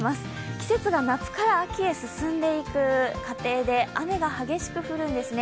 季節が夏から秋へ進んでいく過程で雨が激しく降るんですね。